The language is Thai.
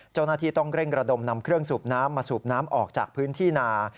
เจ้าหน้าที่ต้องเร่งระดมนำเครื่องสูบน้ำมาสูบน้ำออกจากพื้นที่นา